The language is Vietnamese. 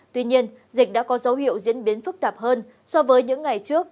tuy nhiên dịch đã có dấu hiệu diễn biến phức tạp hơn so với những ngày trước